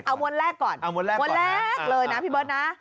เอามวลแรกก่อนเอามวลแรกเลยนะพี่เบิร์ตนะ